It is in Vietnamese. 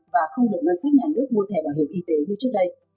và không được ngân sách nhà nước mua thẻ bảo hiểm y tế như trước đây